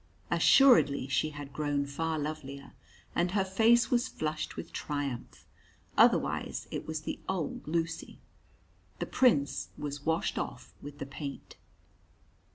Assuredly she had grown far lovelier, and her face was flushed with triumph; otherwise it was the old Lucy. The Prince was washed off with the paint.